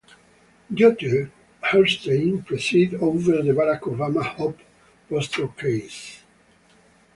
Judge Hellerstein presided over the Barack Obama "Hope" poster case.